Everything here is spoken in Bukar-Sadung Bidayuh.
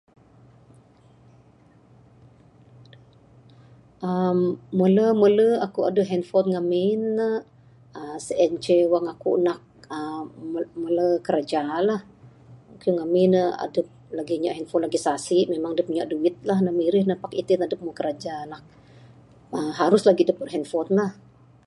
uhh mele mele aku adeh handphone ngamin ne uhh sien ceh wang aku nak uhh mele mele kiraja la...mungkin ngamin ne adep lagi anyap handphone lagi sasik memang adep anyap duit la tinan mirih ne pak itin adep mbuh kiraja nak uhh harus lagi adeh handphone la.